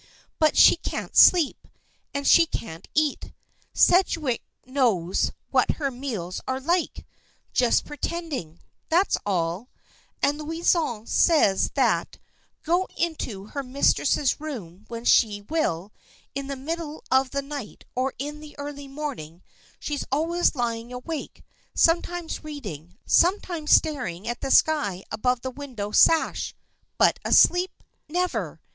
But she can't sleep, and she can't eat. Sedgewick knows what her meals are like: just pretending, that's all; and Louison says that, go into her mistress's room when she will, in the middle of the night or in the early morning, she's always lying awake, sometimes reading, sometimes staring at the sky above the window sash, but asleep never!